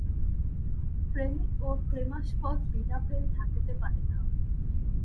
প্রেমিক ও প্রেমাস্পদ বিনা প্রেম থাকিতে পারে না।